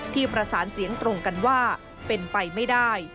ที่ประสานเสียงตรงกันว่าเป็นไปไม่ได้